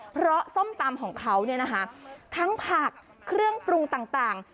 เพราะส้มตำของเขาเนี่ยนะคะทั้งผักเครื่องปรุงต่าง